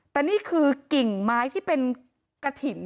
แต่นี่คือกิ่งไม้ที่เป็นกระถิ่น